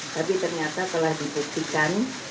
tapi ternyata telah dipuktikan